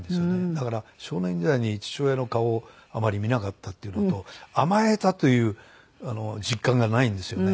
だから少年時代に父親の顔をあまり見なかったっていうのと甘えたという実感がないんですよね。